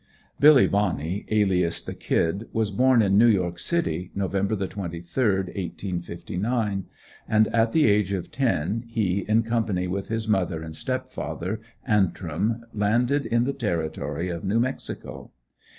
Billy Bonney, alias the "Kid" was born in New York City, November the 23rd, 1859; and at the age of ten he, in company with his mother and step father, Antrim, landed in the Territory of New Mexico.